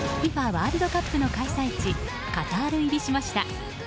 ワールドカップの開催地カタール入りしました。